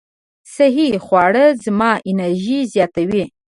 صحي خواړه زما انرژي زیاتوي.